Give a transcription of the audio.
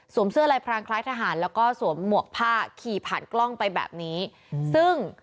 เสื้อลายพรางคล้ายทหารแล้วก็สวมหมวกผ้าขี่ผ่านกล้องไปแบบนี้ซึ่ง